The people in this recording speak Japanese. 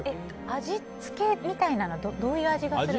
味付けみたいなのはどういう味がするんですか？